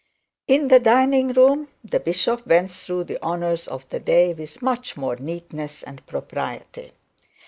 In the dining room the bishop went through the honours of the day with much more neatness and propriety.